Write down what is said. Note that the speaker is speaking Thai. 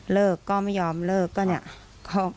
เลิกก็ไม่ยอมเลิกก็เนี่ย